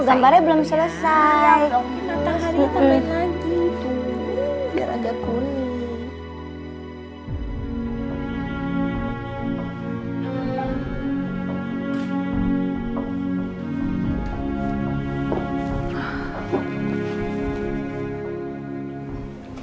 gambarnya belum selesai